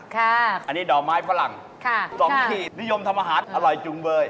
อันนี้ดอกไม้ฝรั่ง๒ขีดนิยมทำอาหารอร่อยจุงเบย